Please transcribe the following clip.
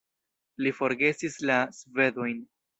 Li forgesis la svedojn.